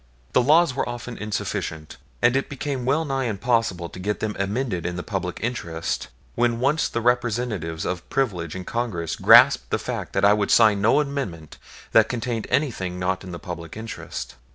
The laws were often insufficient, and it became well nigh impossible to get them amended in the public interest when once the representatives of privilege in Congress grasped the fact that I would sign no amendment that contained anything not in the public interest.